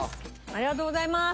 ありがとうございます。